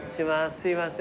すいません。